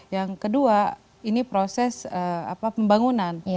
yang kedua ini proses pembangunan